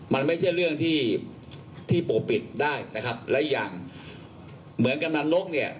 มันไม่ใช่เรื่องที่ที่ปกปิดได้นะครับและอย่างเหมือนกำนันนกเนี่ย